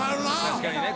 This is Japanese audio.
確かにね